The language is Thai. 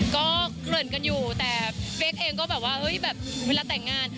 ก็เกริ่นกันอยู่แต่เป๊กเองก็แบบว่าเฮ้ยแบบเวลาแต่งงาน